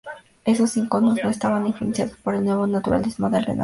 Estos iconos no estaban influenciados por el nuevo naturalismo del Renacimiento.